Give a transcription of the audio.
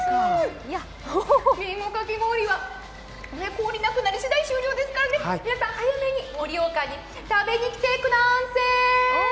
りんごかき氷は氷なくなりしだし終了ですから皆さん、早めに盛岡に食べにきてくなんせ。